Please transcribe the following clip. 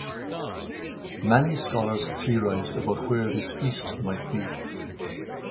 Many scholars have theorized about where this east might be.